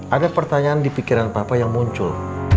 ada pertanyaan di pikiran bapak yang muncul